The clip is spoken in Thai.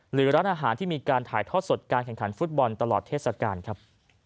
หรือร้านอาหารที่มีการถ่ายทอดสดการแข่งขันฟุตบอลตลอดเทศกาลครับ